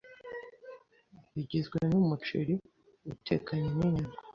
rigizwe n’umuceri utekanye n’inyama